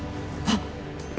あっ！